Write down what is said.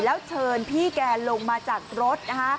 แล้วเชิญพี่แกลงมาจากรถนะคะ